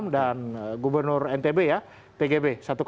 dan gubernur ntb ya pgb satu lima